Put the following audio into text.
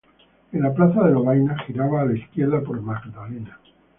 En la Plaza de Lovaina, giraba a la izquierda por Magdalena.